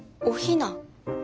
おひな？